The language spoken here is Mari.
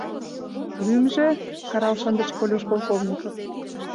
— Лӱмжӧ? — карал шындыш Колюш Полковников.